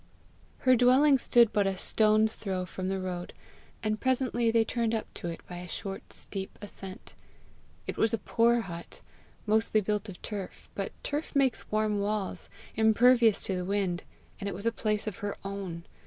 Her dwelling stood but a stone's throw from the road, and presently they turned up to it by a short steep ascent. It was a poor hut, mostly built of turf; but turf makes warm walls, impervious to the wind, and it was a place of her own!